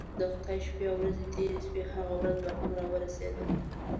د خدای شپې او ورځې تیرې شوې هغه ورځ هم راورسېده.